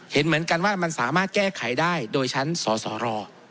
เห็นเหมือนกันว่ามันสามารถแก้ไขได้โดยชั้นสสร